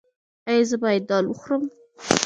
ایا زه باید دال وخورم؟